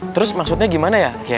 terus maksudnya gimana ya